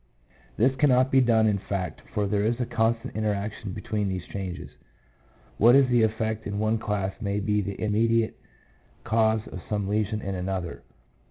This cannot be done in fact, for there is a constant interaction between these changes. What is the effect in one class may be the immediate cause of some lesion in another.